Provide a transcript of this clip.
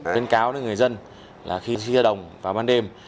tuyên cáo đến người dân là khi ra đồng vào ban đêm